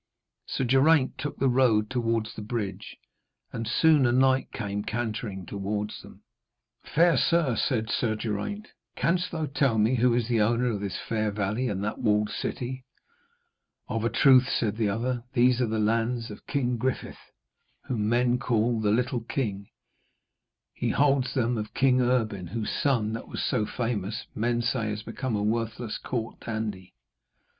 Sir Geraint took the road towards the bridge, and soon a knight came cantering towards them. 'Fair sir,' said Sir Geraint, 'canst thou tell me who is the owner of this fair valley and that walled city?' 'Of a truth,' said the other, 'these are the lands of King Griffith, whom men call the Little King. He holds them of King Erbin, whose son, that was so famous, men say has become a worthless court dandy.'